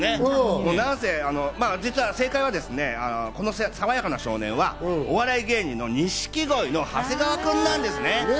実は正解はですね、この爽やかな少年はお笑い芸人の錦鯉の長谷川君なんですね。